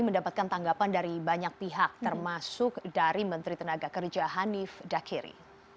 mendapatkan tanggapan dari banyak pihak termasuk dari menteri tenaga kerja hanif dakiri